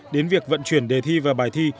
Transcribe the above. đến việc vận chuyển đề thi và bài thi